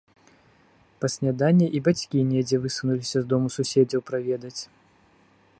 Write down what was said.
Па сняданні і бацькі недзе высунуліся з дому суседзяў праведаць.